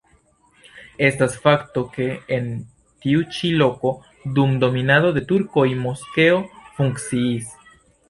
Estas fakto, ke en tiu ĉi loko dum dominado de turkoj moskeo funkciis.